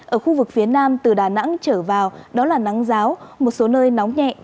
ở khu vực phía nam từ đà nẵng trở vào đó là nắng ráo một số nơi nóng nhẹ